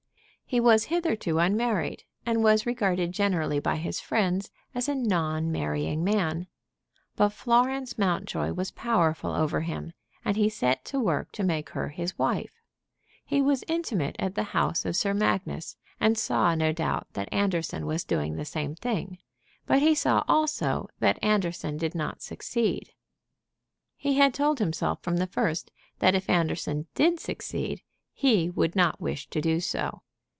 He was hitherto unmarried, and was regarded generally by his friends as a non marrying man. But Florence Mountjoy was powerful over him, and he set to work to make her his wife. He was intimate at the house of Sir Magnus, and saw, no doubt, that Anderson was doing the same thing. But he saw also that Anderson did not succeed. He had told himself from the first that if Anderson did succeed he would not wish to do so.